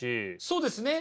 そうですね。